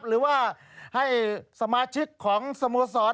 หรือว่าให้สมาชิกของสโมสร